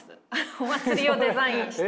お祭りをデザインした。